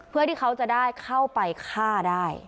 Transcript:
เพื่อที่เขาจะได้เข้าไปฆ่าได้